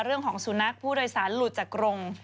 เรื่องของสุนัขผู้โดยสารหลุดจากกรง